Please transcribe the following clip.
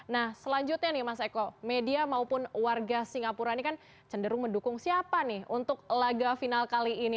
nah selanjutnya nih mas eko media maupun warga singapura ini kan cenderung mendukung siapa nih untuk laga final kali ini